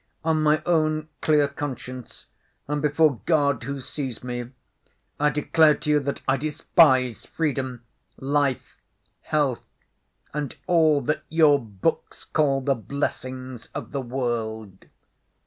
On my own clear conscience and before God who sees me I declare to you that I despise freedom, life, health, and all that your books call the blessings of the world.